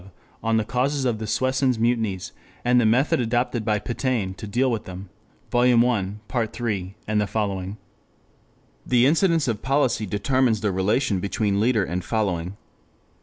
_, on the causes of the Soissons mutinies, and the method adopted by Pétain to deal with them. Vol. I, Part III, et seq.] The incidence of policy determines the relation between leader and following.